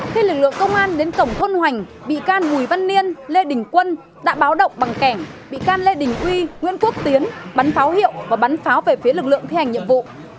khi lực lượng công an đến cổng thôn hoành bị can bùi văn niên lê đình quân đã báo động bằng kẻ bị can lê đình uy nguyễn quốc tiến bắn pháo hiệu và bắn pháo về phía lực lượng thi hành nhiệm vụ